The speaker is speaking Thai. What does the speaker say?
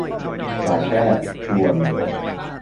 สายแพทย์ ชวน